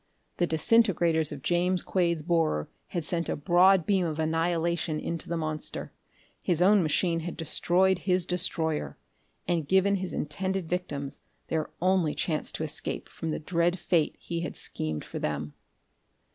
The disintegrators of James Quade's borer had sent a broad beam of annihilation into the monster. His own machine had destroyed his destroyer and given his intended victims their only chance to escape from the dread fate he had schemed for them.